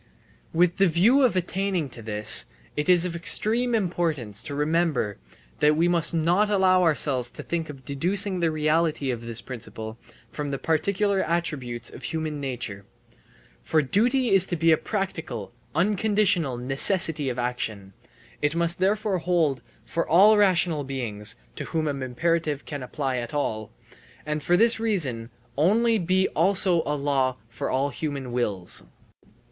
With the view of attaining to this, it is of extreme importance to remember that we must not allow ourselves to think of deducing the reality of this principle from the particular attributes of human nature. For duty is to be a practical, unconditional necessity of action; it must therefore hold for all rational beings (to whom an imperative can apply at all), and for this reason only be also a law for all human wills.